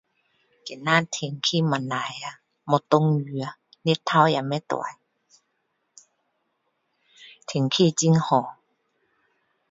今天天气不错啊没有下雨啊日头也不大天气很好